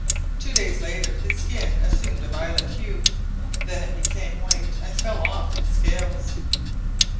Two days later his skin assumed a violet hue, then it became white and fell off in scales.